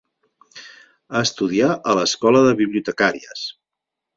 Estudià a l'Escola de Bibliotecàries.